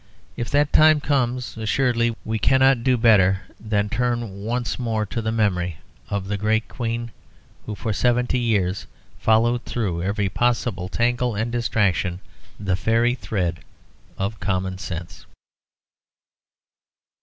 If that time comes, assuredly we cannot do better than turn once more to the memory of the great Queen who for seventy years followed through every possible tangle and distraction the fairy thread of common sense.